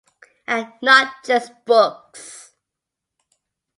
And not just books.